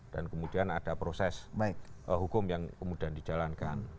dan kemudian ada proses hukum yang kemudian dijalankan